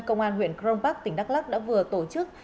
công an huyện cron park tỉnh đắk lắk đã vừa tổ chức